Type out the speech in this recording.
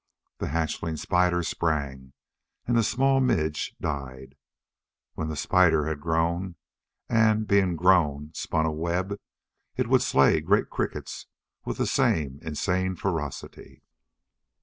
The hatchling spider sprang and the small midge died. When the spider had grown and, being grown, spun a web, it would slay great crickets with the same insane ferocity.